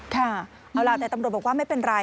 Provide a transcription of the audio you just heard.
ค่ะเอาล่ะแต่ตำรวจบอกว่าไม่เป็นไร